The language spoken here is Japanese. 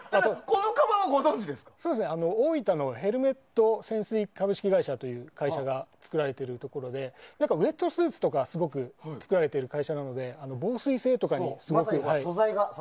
大分のヘルメット潜水株式会社という会社が作られているところでウェットスーツとかをすごく作られている会社なので防水性とかに、すごく。